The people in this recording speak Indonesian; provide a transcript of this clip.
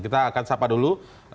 kita akan sapa dulu